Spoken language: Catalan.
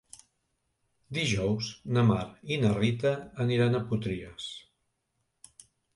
Dijous na Mar i na Rita aniran a Potries.